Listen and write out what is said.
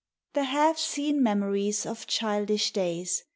The half seen memories of childish da vs.